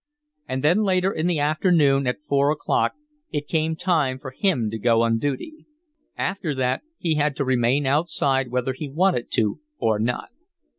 And then later in the afternoon, at four o'clock, it came time for him to go on duty. After that he had to remain outside whether he wanted to or not.